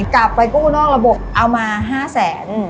กลับไปกู้นอกระบบเอามา๕แสน